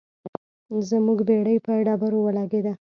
زموږ بیړۍ په ډبرو ولګیده.